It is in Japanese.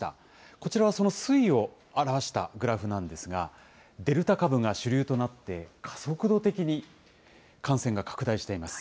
こちらはその推移を表したグラフなんですが、デルタ株が主流となって、加速度的に感染が拡大しています。